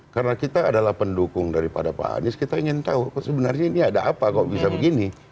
karena kita adalah pendukung daripada pak anies kita ingin tahu sebenarnya ini ada apa kok bisa begini